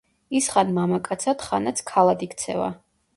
ის ხან მამაკაცად, ხანაც ქალად იქცევა.